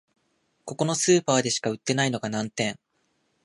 ここのスーパーでしか売ってないのが難点